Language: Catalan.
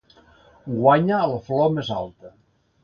Guanya la flor més alta.